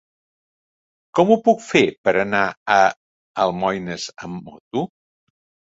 Com ho puc fer per anar a Almoines amb moto?